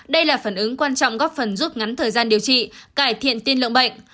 đây là phản ứng quan trọng góp phần giúp ngắn thời gian điều trị cải thiện tiên lượng bệnh